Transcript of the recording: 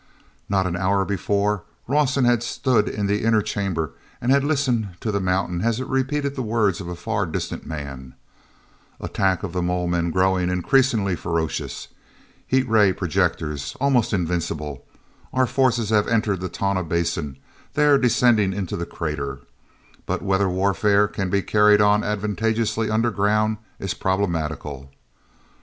Not an hour before, Rawson had stood in the inner chamber and had listened to the mountain as it repeated the words of a far distant man: "Attack of the mole men growing increasingly ferocious ... heat ray projectors—almost invincible ... our forces have entered the Tonah Basin—they are descending into the crater. But whether warfare can be carried on advantageously under ground is problematical...."